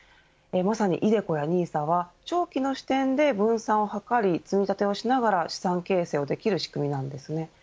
まさにｉＤｅＣｏやＮＩＳＡは長期の視点で分散を図り積み立てをしながら資産形成をできる仕組みなんですね。